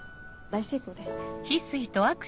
大成功ですね。